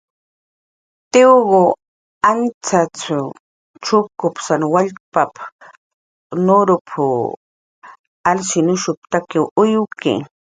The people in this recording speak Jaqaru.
"Tiyunh ancxacx chukpasan wallp"" nurup"" alshinushp""taki uyuki."